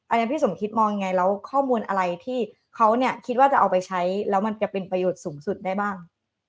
อันนี้พี่สมคิดมองยังไงแล้วข้อมูลอะไรที่เขาเนี่ยคิดว่าจะเอาไปใช้แล้วมันจะเป็นประโยชน์สูงสุดได้บ้าง